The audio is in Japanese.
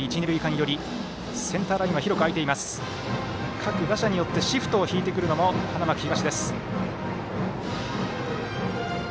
各打者によってシフトを敷いてくるのも花巻東です。